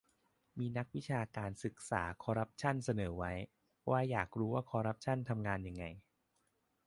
มีนักวิชาการศึกษาคอร์รัปชั่นเสนอไว้ว่าอยากรู้ว่าคอร์รัปชั่นทำงานยังไง